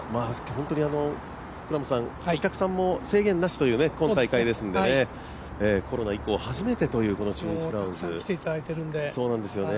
本当にお客さんも制限なしという今大会ですのでね、コロナ以降、初めてというこの中日クラウンズたくさん来ていただいているんで。